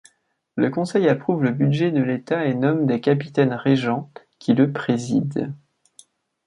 Le Conseil approuve le budget de l’État et nomme les capitaines-régents qui le président.